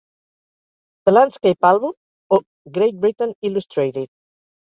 "The landscape album; o, Great Britain illustrated".